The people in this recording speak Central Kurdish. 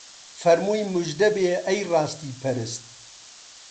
فەرمووی موژدەبێ ئەی ڕاستی پەرست